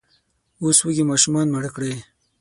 اوس وږي ماشومان ماړه کړئ!